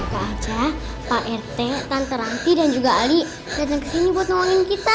pak rt tante ranti dan juga ali datang ke sini buat tolongin kita